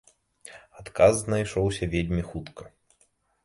Адказ знайшоўся вельмі хутка.